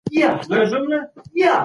بهرنۍ پالیسي د کلتوري اړیکو مخه نه نیسي.